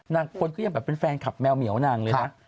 คนก็ยังแบบเป็นแฟนคลับแมวเหมียวนางเลยนะ